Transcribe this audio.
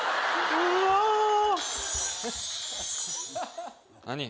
うわー！何？